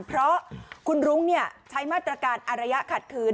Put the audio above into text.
เพราะคุณรุ้งใช้มาตรการอารยะขัดคืน